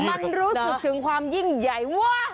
มันรู้สึกถึงความยิ่งใหญ่